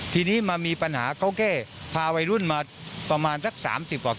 ที่นี่มันก็หลายตัว